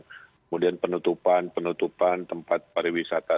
kemudian penutupan penutupan tempat pariwisata